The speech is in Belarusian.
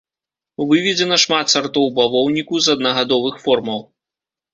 Выведзена шмат сартоў бавоўніку з аднагадовых формаў.